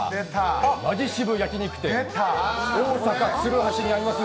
マヂ渋焼き肉店、大阪・鶴橋にあります